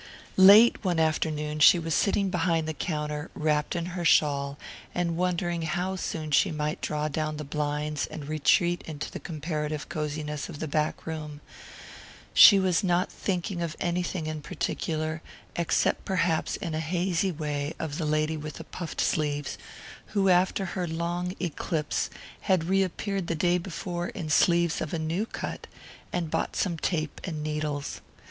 Late one afternoon she was sitting behind the counter, wrapped in her shawl, and wondering how soon she might draw down the blinds and retreat into the comparative cosiness of the back room. She was not thinking of anything in particular, except perhaps in a hazy way of the lady with the puffed sleeves, who after her long eclipse had reappeared the day before in sleeves of a new cut, and bought some tape and needles.